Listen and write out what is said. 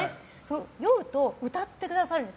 酔うと歌ってくださるんです。